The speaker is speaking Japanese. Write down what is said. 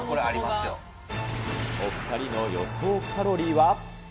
お２人の予想カロリーは。